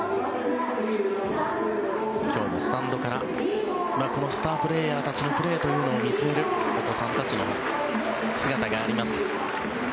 今日もスタンドからこのスタープレーヤーたちのプレーというのを見つめるお子さんたちの姿があります。